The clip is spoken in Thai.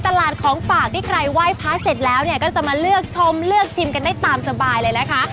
ตลาดของฝากที่ใครไหว้พระเสร็จแล้วเนี่ยก็จะมาเลือกชมเลือกชิมกันได้ตามสบายเลยนะคะ